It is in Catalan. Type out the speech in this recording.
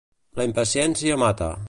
La impaciència mata.